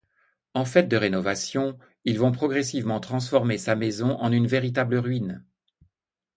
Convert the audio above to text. En fait de rénovation, ils vont progressivement transformer sa maison en une véritable ruine.